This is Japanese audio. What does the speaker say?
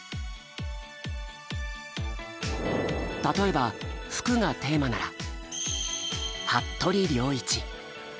例えば「服」がテーマなら「服部良一」。